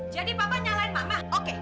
jadi papa nyalain mama oke